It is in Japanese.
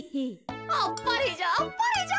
あっぱれじゃあっぱれじゃ。